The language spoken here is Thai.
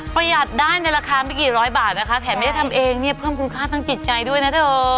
ประหยัดได้ในราคาไม่กี่ร้อยบาทนะคะแถมไม่ได้ทำเองเนี่ยเพิ่มคุณค่าทางจิตใจด้วยนะเธอ